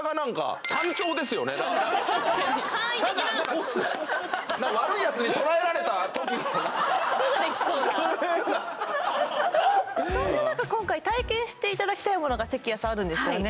確かに簡易的なすぐできそうなそんな中今回体験していただきたいものが関谷さんあるんですよね